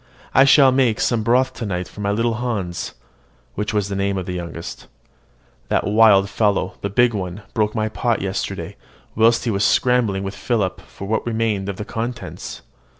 "I shall make some broth to night for my little Hans (which was the name of the youngest): that wild fellow, the big one, broke my pot yesterday, whilst he was scrambling with Philip for what remained of the contents."